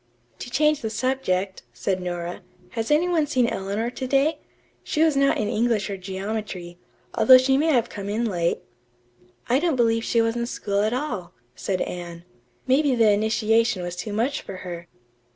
"To change the subject," said Nora, "has any one seen Eleanor to day? She was not in English or geometry, although she may have come in late." "I don't believe she was in school at all," said Anne. "Maybe the initiation was too much for her."